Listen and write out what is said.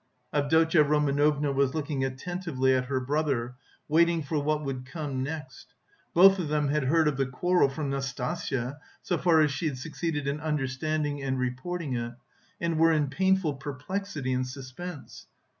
Avdotya Romanovna was looking attentively at her brother, waiting for what would come next. Both of them had heard of the quarrel from Nastasya, so far as she had succeeded in understanding and reporting it, and were in painful perplexity and suspense.